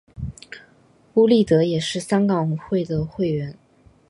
邬励德也是香港会的会员。